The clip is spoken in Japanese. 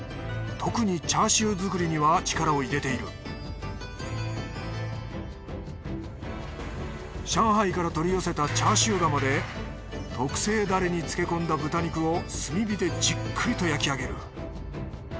特にチャーシュー作りには力を入れている上海から取り寄せたチャーシュー窯で特製ダレに漬け込んだ豚肉を炭火でじっくりと焼き上げる。